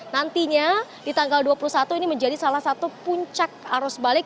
nantinya di tanggal dua puluh satu ini menjadi salah satu puncak arus balik